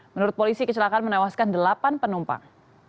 menurut polisi kecelakaan menewaskan delapan penumpang